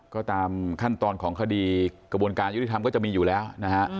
ก็ตามขั้นตอนของคดีกระบวนการยุติธรรมก็จะมีอยู่แล้วนะฮะ